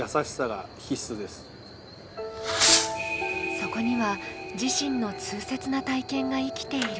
そこには自身の痛切な体験が生きている。